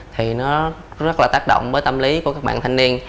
thì nó rất là tác động với tâm lý của các bạn thanh niên